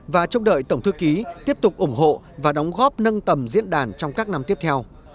và chúc đợi tổng thư ký tiếp tục ủng hộ và đóng góp nâng tầm diễn đàn trong các năm tiếp theo